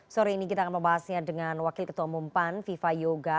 sore ini kita akan membahasnya dengan wakil ketua umum pan viva yoga